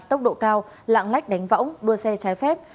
tốc độ cao lạng lách đánh võng đua xe trái phép